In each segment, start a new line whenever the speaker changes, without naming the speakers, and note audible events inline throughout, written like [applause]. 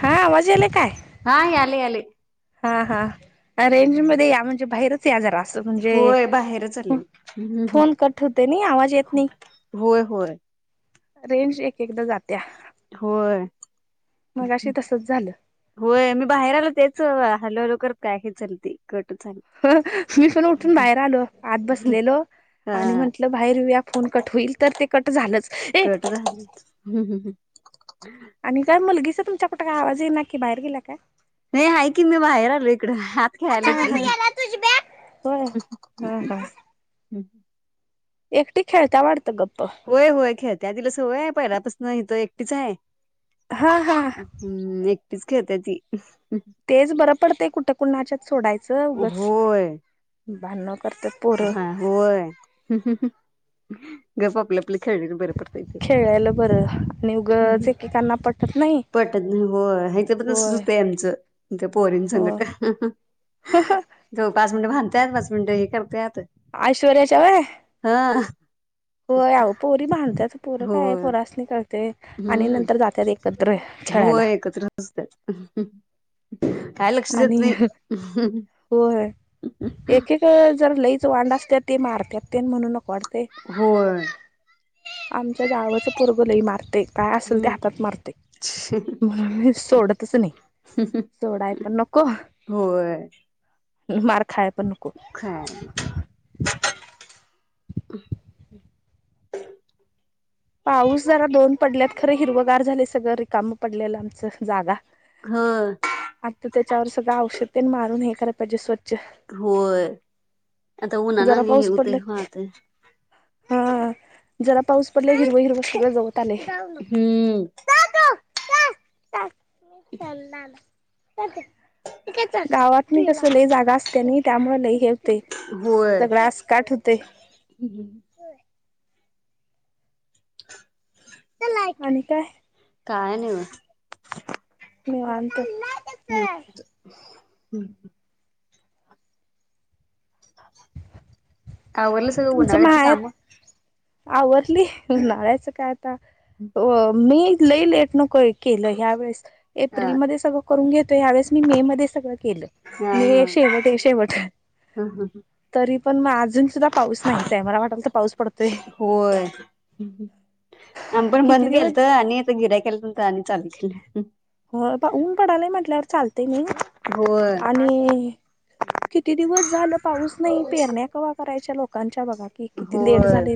हा आवाज यायला काय?
हा यालय यालयं.
हा हा रेंज मध्ये या म्हणजे बाहेरच या जरा. म्हणजे
होय बाहेरच आले हम्म हम्म.
फोन कट होतोय नाही, आवाज येत नाही.
होय होय.
रेंज एक एकदा जात्या.
होय.
मगाशी तसच झालं
होय, मी बाहेर आलो तेच हलू हलू करत काय की चालती.
मी पण उठून बाहेर आलो, आत बसलेलो आणि
हा
म्हटलं बाहेर येऊया. फोन कट होईल, तर ते कट झालंच. ए
कट झालीच.
आणि काय मुलगीचा तुमच्या कुठं काय आवाज येईना की बाहेर गेल्या काय?
नाही आहे की मी बाहेर आलो इकडं, आत खेळाली ती.
होय हा हा
[unintelligible]
एकटी खेळत्या वाटतं गप.
होय होय खेळत्या, तिला सवय हाय पहिलापासनं हितं एकटीच हाय.
हा हा
हम्म एकटीच खेळत्या ती.
तेच बरं पडते कुठं कुणाच्यात सोडायचं उगच, भान
हा होय, गप आपलं आपलं खेळलेलं बरं पडतंय ते,
खेळायला बरं आणि उगच
हम्म
एकेकांना पटत नाही
पटत ना व ह्याचं तर तसचं
होय
होतंय आमचं. ते पोरीन
हो
संगट, अहं अहं तो पाच मिनिटं भांडताय, पाच मिनिटं हे कर
ऐश्वर्याच्या वहय. होय, अओ पोरी भांडत्यात, पोर काय
होय
पोरास नी कळ ते आणि
हम्म
नंतर जातात एकत्र
होय
खेळायला.
एकत्र असतात काय लक्ष
आणि
देत नाही
हं होय. एक, एक जर लईच वांड असत्यात, तर ते मारत म्हणून नको वाटत.
होय.
आमच्या जावच पोरगं लई मारतय. काय असेल ते
हम्
हातात मारतय. म्हणून मी सोडतच नाही. सोडाय पण नको
होय.
मार खायय पण
खा [unintelligible]
पाऊस जरा दोन पडल्यात खरं हिरवगार झालेय सगळं रिकाम पडलेलं आमच जागा.
ह
आता त्याच्यावर सगळं औषधं मारून हे कराय पाहिजे स्व
होय. आता उनान
जरा
आणि हे
पाऊस पडला
उतय
हा. जरा पाऊस पडलयं हिरव, हिरवं होय. गवत आलय. [inaudible]
हम्म
मी कलणार. गावात नी कस लय जागा असत्या नै त्यामुळे लय हे ते
होय
सगळं आसकाठ होतय.
[unintelligible]
आणि काय?
काय नै बघा
निवांत
हम्म हूं. काय आवरलं सगळं
तुमचं
उन्हाळ्याची
माहेर
कामं?
आवरली उनळा्याचं काय आता मी लई लेट न केलं ह्यावेेळेस
हा
एप्रिलमध्ये सगळं करून घेतो यावेेळेस मी मे मध्ये सगळं केलं,
हा
मे शेवट शेवट.
ह ह
तरी पण म अजून सुद्धा पाऊस नाहीच आहे. मला वाटल तर पाऊस पड
होय. आमी पण
किती
बंद केलंत,
दिवस
आणि आता गिरायक यायल्यात आणि चालू केलं.
हो बा. ऊन पडालाय म्हटल्यावर चालतय नवं
होय
आणि किती दिवस झालं पाऊस नाही, पेरण्या कवा करायच्या लोकांच्या बघा की, किती लेट
होय
झालय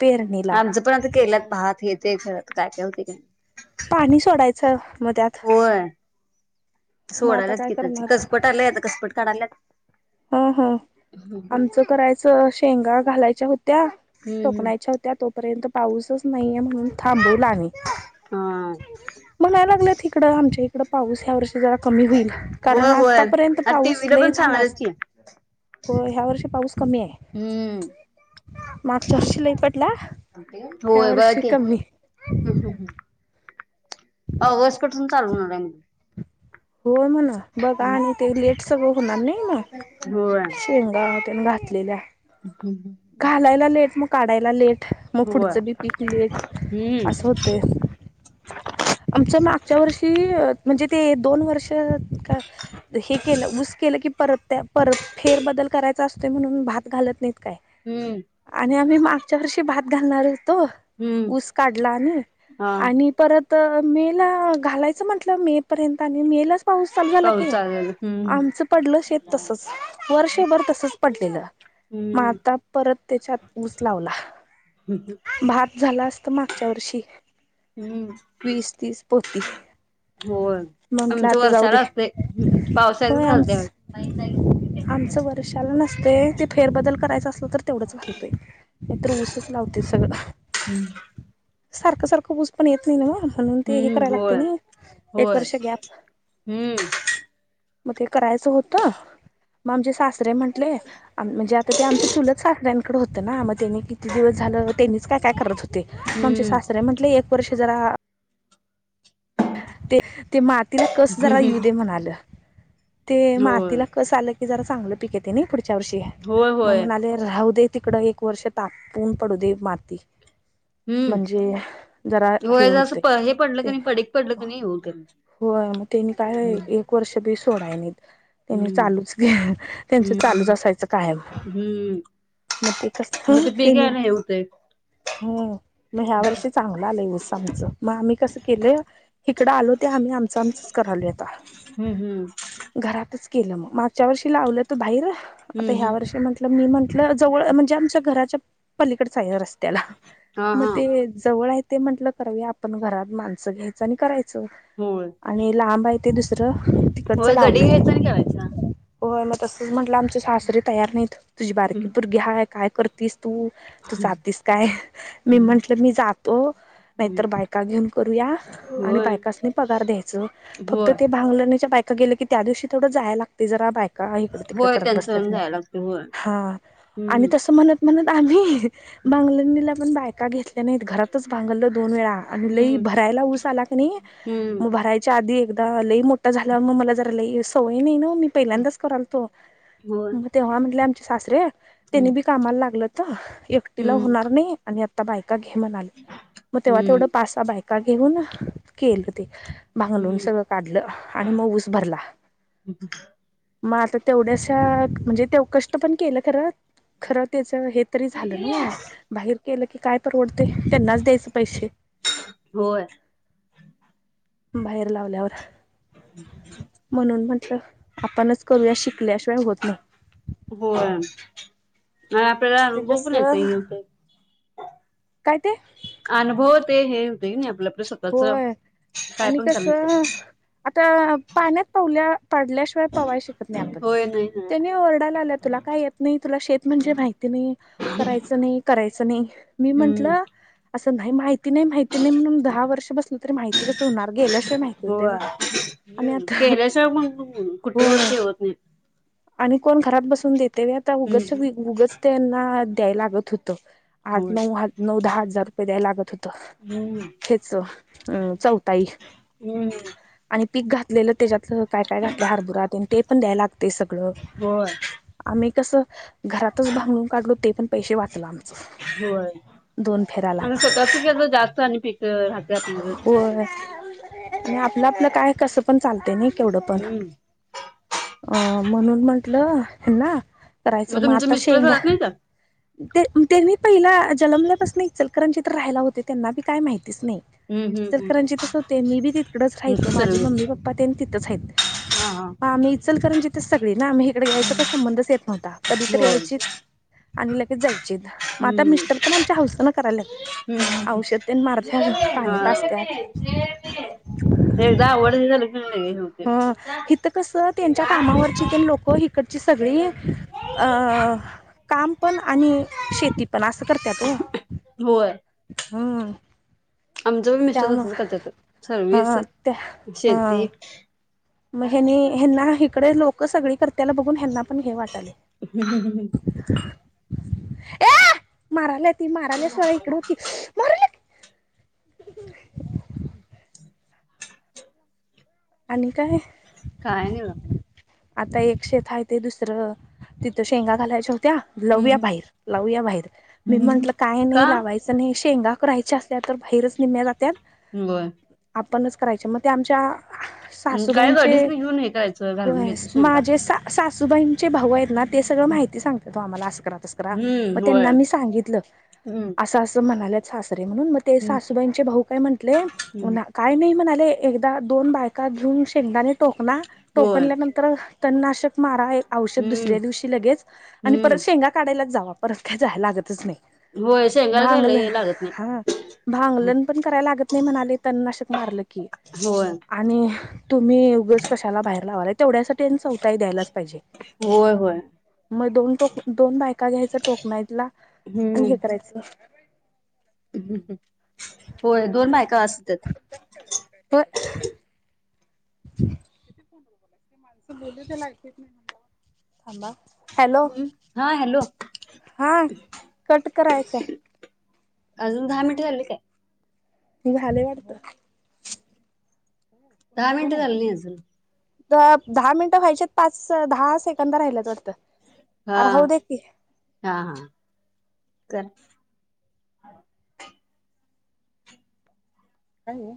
पेरणीला.
आमचं पण आता केल्यात भात हे ते खरच काय काय होते काय?
पाणी सोडायचं म त्यात.
होय
मग आता
सोडायलाच
काय
की,
करणार
कसपट आलय, आता कसपट काढायल्यात.
ह ह. आमचं करायचं शेंगा घालायच्या हो त्या
हम्म हम्म.
टोकणायच्या होत्या, तोपर्यंत पाऊसच नाहीये म्हणून थांबूवलं आमी.
हा
म्हणाय लागल्यात इकडं, आमच्या इकड पाऊस ह्या वर्षी जरा कमी होईल, कारण
होय होय
आतापर्यंत
आता
पाऊस
टीव्हीला
लय
पण
झाला
सांगायल्यात
अस
की
होय. ह्या वर्षी पाऊस कमी हाय.
हम्म
मागच्या वर्षी लय पडला, ह्या वर्षी कमी.
हम्म हम्म. ऑगस्टपासून चालु वणार आहे म
होय मणं, बघा आणि ते लेट सगळं होणार नै
होय
शेंगा घातलेल्या, घालायला लेट मग काढायला लेट. मग
होय
पुढचं बी पीक लेट
हम्म
असं होतय. आमच्या मागच्या वर्षी म्हणजे ते दोन वर्ष क हे केलं ऊस केलं की परत त्या परत फेरबदल करायचा असतो. म्हणून भात घालत नाहीत काय,
हम्म
आणि आम्ही मागच्या वर्षी भात घालणार ह तो
हम्म
ऊस काढला आणि
हा
आणि परत त मे ला घालायचं म्हंटलं मे पर्यंत आणि मे लाच पाऊस चालू झाला
पाऊस
की.
चालू झाला हम्म
आमचं पडलं शेत तसंच, वर्षभर तसंच पडलेलं. म आता
हम्म
परत त्याच्यात ऊस लावला.
[unintelligible]
त मागच्या वर्षी,
हम्म
वीस तीस पोती.
होय
म्हंटलं
आमचं
आता जाऊ दे,
वर्षाला असतंय पावसाळ्यातच
होय
घालतंय
आमच आमचं वर्षाला न ते ते फेर बदल करायचं असल तर तेवढंच घालतोय, नाहीतर ऊसचं लावतोय सगळा. सारखं सारखं ऊस पण येत नाही नव्हं, म्हणून ते हे
हम्म
करायला
होय
लागतयं नाय एक
होय
वर्ष गॅप.
हम्म
मग ते करायचं होतं, मग आमचे सासरे म्हण म्हटले म्हणजे आमचे चुलत सासऱ्यांकड होत ना, म तेनी किती दिवस झालं त्यांनीच काय काय करत होते, मग आमचे
हम्म
सासरे म्हटले एक वर्षी जरा ते ते मातीला कस जरा येवू देे म्हणालं. ते
होय
मातीला कस आलं की जरा चांगलं पीक येतयं नाय, पुढच्या वर्षी
होय
मग
होय
म्हणाले राहू दे. तिकडं एक वर्ष तापून पडू दे माती.
हम्म
म्हणजे जरा हे
होय असं
होतय.
प हे पडलं क नाही पडीक पडलं क नाही होत
होय, मग त्यांनी काय
हम्म
एक वर्ष बी सोडाय नाहीत. त्यांनी
हम्म
चालूच घ्या त्यांच चालूच,
हम्म
असायचं कायम.
हम्म
म ते कस
मग ते पीक
तेनि
आहे ना हे होतय
हम मग ह्या वर्षी चांगलं आलंय ऊस आमचं मग आम्ही कसं केलंय. हिकडं ड आलो ते आम्ही आमच आमचचं करालोय आता.
हम हम.
घरातच केलं मग मागच्या वर्षी लावलं त, बाहिर
हम्म
आता ह्या
हम्म
वर्षी म्हटलं मी म्हण जवळ म्हणजे आमच्या घराच्या पलीकडच आहे रस्त्याला
हा
मग
हा
ते जवळ हाय. ते म्हटलं करावी आपण घरात माणसं घ्यायचं आणि करायचं.
होय
आणि लांब आहे ते दुसरं तिकडचं
होय गडी
लावलंय.
घ्यायचा आणि करायचा
होय, मग तसंच म्हटलं आमचे सासरे तयार नाहीत, तुझी
हम्म
बारकी पोरगी हाय काय करतीस. तू तू जातीस काय, मी
हम्म
म्हटलं मी जातो. नाही
हम्म
तर बायका घेऊन करूया आणि
होय
बायकास नी पगार द्यायच फक्त
होय
ते भांगलं च्या बायका गेले की. त्या दिवशी थोडं जायलागत जरा बायका. का इकड-तिकड
होय
करत
त्यांचं होऊन
बसत्यात मग.
जायला लागते होय
हा आणि
हम्म
तस म्हणत-म्हणत. आम्ही भंगलीनीला पण बायका घेतल्या नाहीत. घरातच भांगलं दोन वेळा. आणि लई
हम्म
भरायला ऊस आला कणी
हम्म
मग भरायच्या. आधी एकदा लई मोठा झाला मग मला. जरा लई सवय नाही ना. मी पहिल्यांदाच करालतो
होय
मग तेव्हा म्हटले. आमचे सासरे!
हम्म
त्यानी बी कामाला लागलंत. एकटीला
हम्म
होणार नाही. आणि आता बायका घे म्हनाआलते. मग तेव्हा
हम्म
तेवढ पा- सहा बायका घेऊन. केलं ते. भांगलून
हम्म
सगळं काढलं. आणि मग ऊस भरला. मग आता तेवढ्याशा म्हणजे. तेव कष्ट पण केलं खरं. खर त्याच हे तरी झालं ना. म बाहेर केलं की काय परवड ते त्यांनाच द्याच पैसे.
होय
बाहेर लावल्यावर म्हणून म्हटलं. आपणच करू या शिकलेशिवाय होत नाही.
होय आणि आपल्याला
ते
अनुभव पण
कसं
येतोय. [inaudible]
काय ते.
अनुभव ते हे होतय नई आपलं. स्वतःच
होय
काय
आणि
पण
कस
करायला येतंय.
आता पाण्यात पवल्या. पडल्याशिवाय पवाय शकत नाही आपण.
होय नाही नाही
त्यानी ओरडायलाल्या तुला काय येत नई तुला शेत म्हणजे माहिती नई करायचं नई कराय असं नाही मी
हम्म
म्हंटलं असं नाही माहिती नाही माहिती नाही म्हणून दहा वर्ष बसल तरी माहिती कसं होणार गेल्याशिवाय माहिती होतय
होय
व्हय. आणि
हम्म
आता
केल्याशिवाय मग कुठठ [unintelligible]
होय
गस्ती होत नाही
आणि कोण घरात बसून देतय वय आता उगच उगच त्यांना द्याय लागत हो त आठ
होय
नऊ हाट नऊ दहा हजार रुपये द्याय लागत होत.
हम्म
त चौथाई
हम्म
आणि पीक घातलेलं त्याच्यातल काय काय घातलय हारबुरा तेन ते पण द्याय लागतय सगळं
होय
आम्ही कसं घरातच भांगळून काढलो ते पण पैसे वाचलं आमचं.
होय.
दोन फेराला
आणि स्वतः केलं ज्यांस
होय आणि आपलं आपलं काय कसं पण चालते नाही केवढं पण.
हम्म.
अ म्हणून म्हंटलं ना करायचं
मग
म
तुमचे
आता
मिस्टर
शेंगा
करत नाही का?
तेनी तेनी पहिला जलमल्यापासून एक इचलकरंजीत राहायला होते. त्यांना बी काय माहित. तीच नाही
हम्म हम्म
इचलकरंजीत होते मी बी तिकडच
हम्म
राह्यचो माझे
सर्विस
मम्मी पप्पा त्यांनी तिथंचय हाईत.
हा हा.
इचलकरंजीतच सगळी ना आम्ही इकडे यायचा काही संबंधच येत नव्हता कधी तर
होय
यायची आणि लगेच जाई चित म आता मिस्टर पण आमच्या हाऊसन करायलात.
ह ज ज
पाजत्यात
[unintelligible] एकदा वड झा [unintelligible]
हं हित कसं त्यांच्या कामावरची त्यानं लोक हि कची सगळी अ काम पण आणि शेती पण आसं करत्यात
होय
हं.
आमचं पण मिस्टर तसचत सर्विस,
हा
शेती
म ह्यनी ह्यना इकडे लोक सगळी कर त्याला बघून ह्यांना पण हे वाटयले. ए माराल्या ती माराली स्वरा इकड हो की मारायले. [inaudible] आणि काय?
काय नई.
आता एक शेत आहे ते दुसरं तिथं शेंगा घालायच्या हो त्या लावूया
हम्म
बाहेर लावूया बाहेर मी
हम्म
म्हंटलं काय
का?
नाही लावायचं नाही. शेंगा करायच्या त्या तर भाहेरच निम्या जात्यात.
हम्म बर.
पणच करायचे मग ते आमच्या
काय
सासूबाईंचे
गाडीसनी घेऊन हे करायचं घालून
होय
घ्यायचं शेंगा
माझे सा सा सुबाईंचे भाऊ आहेत ना ते सगळं माहिती सांगतात हो आम्हाला अस करा. तस म
हम्म होय.
त्यांना मी सांगितलं
हम्म.
असं अस म्हणाल्यात सा म्हणून म ते
हम्म
सासूबाईंचे भाऊ काय म्हटले
हम्म
ना काय नाही म्हणाले एकदा दोन बा बायका घेऊन शेंगदाने टोकला
होय
टोकल्यानंतर तननाशक मारा. एक औषध
हम्म
दुसऱ्या दिवशी लगेच आणि परत
हम्म
शेंगा काढायलाच जावा परत काय जाय लागतच नाही.
होय, शेंगाला
भांगलं
लय लागत. नाही.
हा भांगलण पण करायला लागत नाही म्हणाले तननाशक मारलं की,
होय
नी तुम्ही उगच कशाला बाहेर लावालाय तेवढ्यासाठी चौताही द्यायलाच पाहिजे
होय हो.
मग दोन टोक दोन बायका घ्यायच टोकनाईला आणि हे
हम्म
करायचं.
होय दोन बायका बास होत्यात.
हं. [inaudible] हॅलो.
हा हॅलो.
हा कट करायचंय.
अजून दहा मिनट झाली काय.
झालय वाटत.
दहा मिनट झाल नाही अजून.
दहा मिनिटं व्हायच्यात पाच, दहा सेकंद राहिल्यात वाटतं.
हा
राहू दे की काय
हा हा. कर.
नाही ओ.